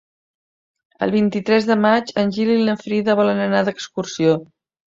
El vint-i-tres de maig en Gil i na Frida volen anar d'excursió.